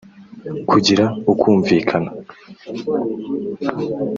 kugira ukumvikana